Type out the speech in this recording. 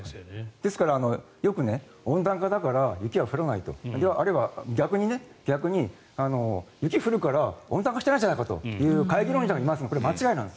ですからよく温暖化だから雪が降らないと逆に雪が降るから温暖化してないじゃないかという懐疑論者もいますがこれは間違いなんです。